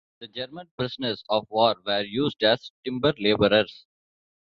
The German Prisoners of War were used as timber laborers.